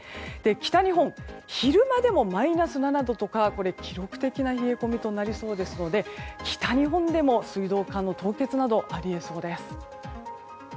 北日本、昼間でもマイナス７度とか記録的な冷え込みとなりそうですので北日本でも水道管の凍結などあり得そうです。